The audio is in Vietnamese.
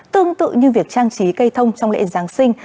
tương tự như việc trang trí cây thông trong lễ giáng sinh